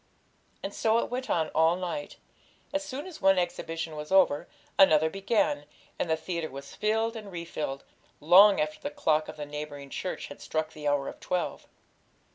And so it went on all night; as soon as one exhibition was over, another began, and the theatre was filled and refilled, long after the clock of the neighbouring church had struck the hour of twelve.